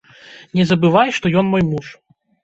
Не забывай, што ён мой муж.